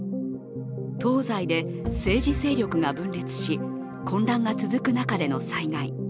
東西で政治勢力が分裂し混乱が続く中での災害。